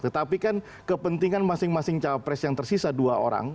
tetapi kan kepentingan masing masing cawapres yang tersisa dua orang